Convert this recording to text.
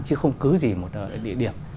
chứ không cứ gì một địa điểm